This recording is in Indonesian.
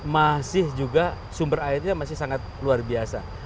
masih juga sumber airnya masih sangat luar biasa